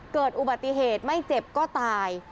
เกิดอุบัติเหตุไม่เจ็บก็ตาย